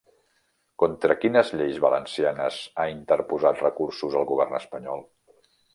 Contra quines lleis valencianes ha interposat recursos el govern espanyol?